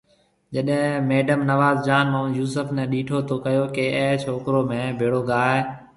جڏي ميڊم نور جهان محمد يوسف ني ڏيٺو تو ڪهيو ڪي اي ڇوڪرو ميهه ڀيڙو گاۿي؟